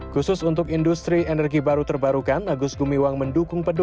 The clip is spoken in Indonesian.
khusus untuk industri energi baru terbarukan agus gumiwang mendukung